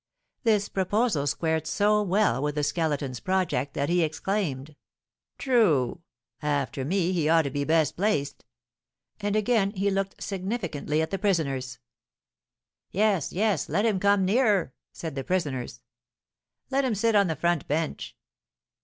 This proposal squared so well with the Skeleton's project that he exclaimed: "True; after me he ought to be best placed!" And again he looked significantly at the prisoners. "Yes, yes; let him come nearer," said the prisoners. "Let him sit on the front bench."